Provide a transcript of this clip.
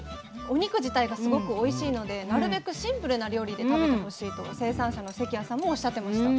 お肉自体がすごくおいしいのでなるべくシンプルな料理で食べてほしいと生産者の関谷さんもおっしゃってました。